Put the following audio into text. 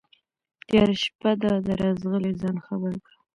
تياره شپه دا ده راځغلي ځان خبر كه